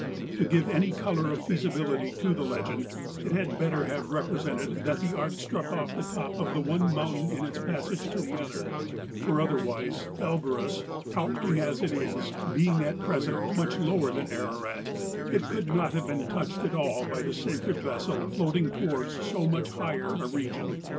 To give any colour of feasibi¬ lity to the legend it had better have represented that the ark struck off the top of the one mountain in its passage to the other ; for, otherwise, Elborus, tower ing as it is, being at present much lower than Ara¬ rat, it could not have been touched at all by the sacred vessel floating towards so much higher a re¬ gion.